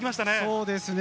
そうですね。